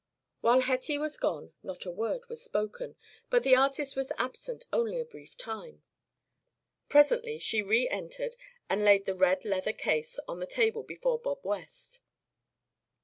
While Hetty was gone not a word was spoken, but the artist was absent only a brief time. Presently she reentered and laid the red leather case on the table before Bob West.